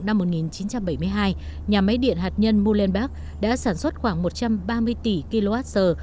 năm một nghìn chín trăm bảy mươi hai nhà máy điện hạt nhân mulibek đã sản xuất khoảng một trăm ba mươi tỷ kwh